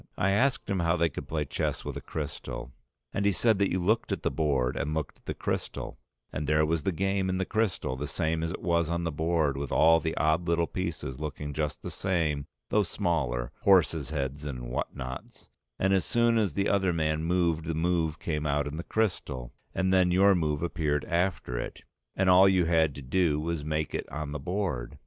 I asked him how they could play chess with a crystal; and he said that you looked at the board and looked at the crystal, and there was the game in the crystal the same as it was on the board, with all the odd little pieces looking just the same though smaller, horses' heads and whatnots; and as soon as the other man moved the move came out in the crystal, and then your move appeared after it, and all you had to do was to make it on the board.